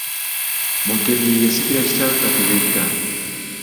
MUTEBI ye yasikira kitaawe Kateregga.